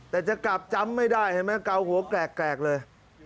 แต่จะกลับจำไม่ได้เห็นไหมเกาหัวแกรกเลย